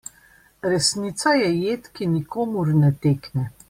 Resnica je jed, ki nikomur ne tekne.